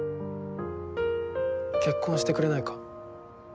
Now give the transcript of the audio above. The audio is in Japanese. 結婚してくれないか？